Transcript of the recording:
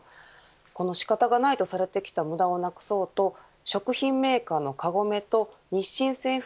この仕方がないとされてきた無駄をなくそうと食品メーカーのカゴメと日清製粉